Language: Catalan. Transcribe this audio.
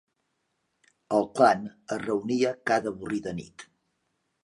El clan es reunia cada avorrida nit.